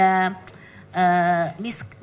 miskom bukan miskom ya perlu klarifikasi ya